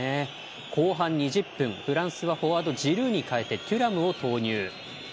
後半２０分フランスはフォワードのジルーに代えてテュラムを投入。